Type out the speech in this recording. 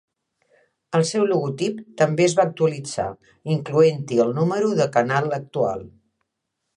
El seu logotip també es va actualitzar incloent-hi el número de canal actual.